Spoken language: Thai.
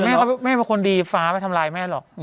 แม่เป็นคนดีฟ้าไปทำร้ายแม่หรอก